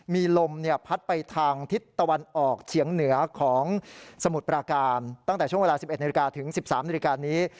มีลมพัดไปทางทิศตะวันออกเฉียงเหนือของสมุทรปราการตั้งแต่ช่วงเวลา๑๑นาฬิกาถึง๑๓นาฬิกานี้